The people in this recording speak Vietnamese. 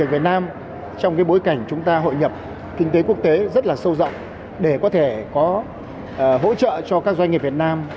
với bối cảnh chúng ta hội nhập kinh tế quốc tế rất là sâu rộng để có thể có hỗ trợ cho các doanh nghiệp việt nam